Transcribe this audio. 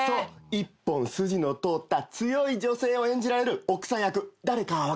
一本筋の通った強い女性を演じられる奥さん役誰か分かります？